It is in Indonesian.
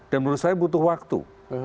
dan menurut saya butuh waktu